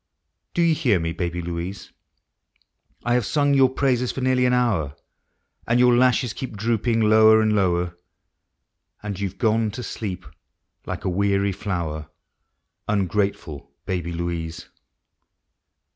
Do you hear me, Baby Louise? I have sung your praises for nearly an hour, And your lashes keep drooping lower and lower, And — you \e gone to sleep, like a weary flower, Ungrateful Baby Louise!